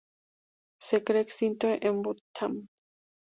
Se cree extinto en Bhutan.